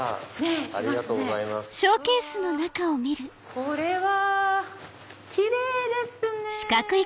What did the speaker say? これはキレイですね。